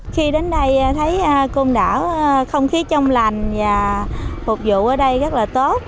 khi đến đây thấy côn đảo không khí trong lành và phục vụ ở đây rất là tốt